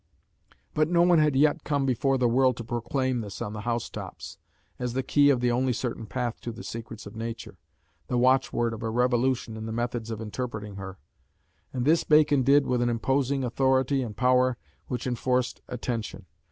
But no one had yet come before the world to proclaim this on the house tops, as the key of the only certain path to the secrets of nature, the watchword of a revolution in the methods of interpreting her; and this Bacon did with an imposing authority and power which enforced attention.